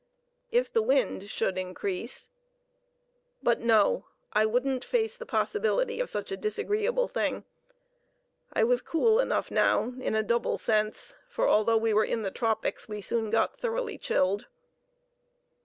If the wind should increase—but no—I wouldn't face the possibility of such a disagreeable thing. I was cool enough now in a double sense, for although we were in the tropics, we soon got thoroughly chilled.